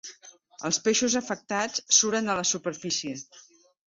Els peixos afectats suren a la superfície.